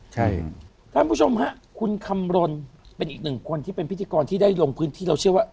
ท่านผู้ชมฮะคุณคำรณเป็นอีกหนึ่งคนที่เป็นพิธีกรที่ได้ลงพื้นที่เราเชื่อว่า